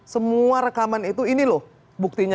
semua rekaman itu ini loh buktinya